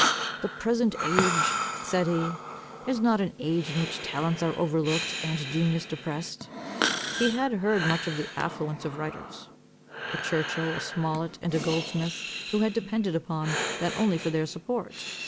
"The present age," said he, "is not an age in which talents are overlooked, and genius depressed." He had heard much of the affluence of writers, a Churchil, a Smollet, and a Goldsmith, who had depended upon that only for their support.